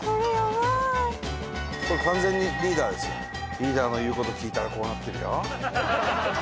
リーダーの言う事聞いたらこうなってるよ。